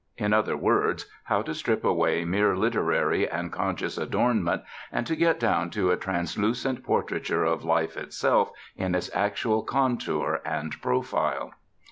In other words, how to strip away mere literary and conscious adornment, and to get down to a translucent portraiture of life itself in its actual contour and profile.